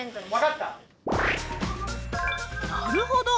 なるほど。